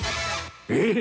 えっ！